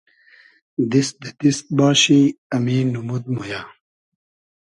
دیست دۂ دیست باشی امی نومود مۉ یۂ